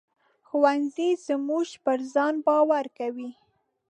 ښوونځی موږ پر ځان باوري کوي